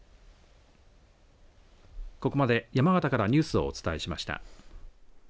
ここまで山形からニュースをお伝えしました。